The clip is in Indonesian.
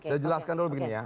saya jelaskan dulu begini ya